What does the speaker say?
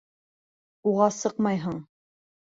Уға сыҡмайһың!